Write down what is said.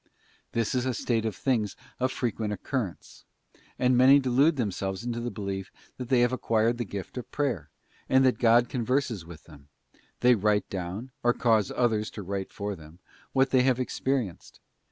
This is a state of things of frequent occur rence, and many delude themselves into the belief that they have acquired the gift of prayer, and that God converses with them: they write down, or cause others to write for them, what they have experienced.